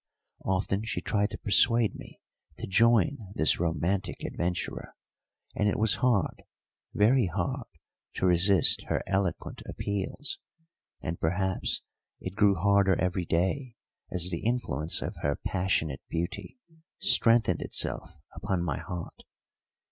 Often she tried to persuade me to join this romantic adventurer, and it was hard, very hard, to resist her eloquent appeals, and perhaps it grew harder every day as the influence of her passionate beauty strengthened itself upon my heart.